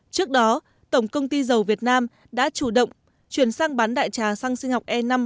trước đó tổng công ty dầu việt nam cho biết thêm kể từ ngày một tháng một tất cả cửa hàng xăng dầu pvoi